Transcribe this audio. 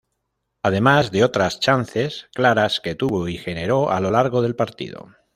Además de otras chances claras que tuvo y generó a lo largo del partido.